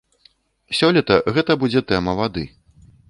Сёлета гэта будзе тэма вады.